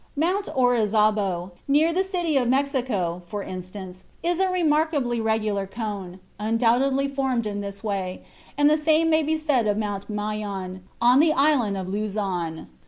Mount Orizabo, near the City of Mexico, for instance, is a remarkably regular cone, undoubtedly formed in this way, and the same may be said of Mount Mayon, on the Island of Luzon.